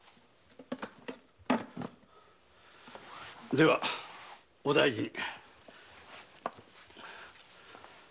ではお大事に。